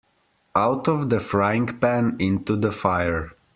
Out of the frying-pan into the fire.